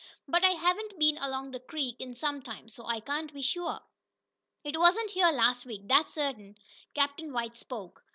But I haven't been along the creek in some time, so I can't be sure." "It wasn't here last week, that's certain," Captain White spoke.